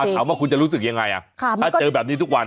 ถามว่าคุณจะรู้สึกยังไงถ้าเจอแบบนี้ทุกวัน